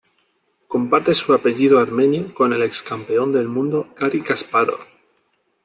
Comparte su apellido armenio con el excampeón del mundo Gari Kaspárov.